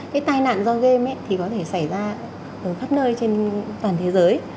cái tai nạn do game thì có thể xảy ra ở khắp nơi trên toàn thế giới